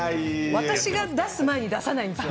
私が出す前に出さないんですよ。